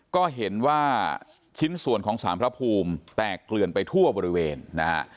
ก็เห็นว่าชิ้นส่วนของสารพระภูมิแตกเกลื่อนไปทั่วบริเวณนะฮะ